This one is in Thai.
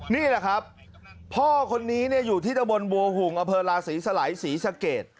นี่แหละครับพ่อคนนี้อยู่ที่ตะบนบัวหุ่งอำเภอลาศรีสไหลศรีสะเกด